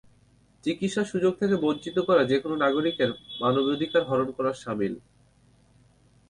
চিকিৎসার সুযোগ থেকে বঞ্চিত করা যেকোনো নাগরিকের মানবাধিকার হরণ করার শামিল।